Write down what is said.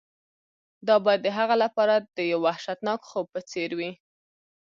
دا به د هغه لپاره د یو وحشتناک خوب په څیر وي